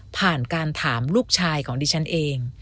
ผ่านการถามลูกชายของดิฉันเอง